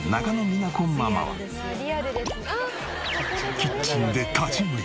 キッチンで立ち食い。